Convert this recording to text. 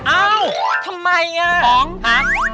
อ้าวทำไมอ่ะ